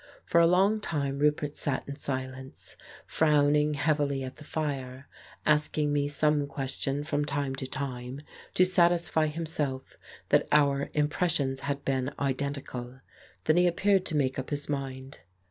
For a long time Roupert sat in silence, frowning heavily at the fire, asking me some question from time to time, to satisfy himself that our im pressions had been identical. Then he appeared to make up his mind.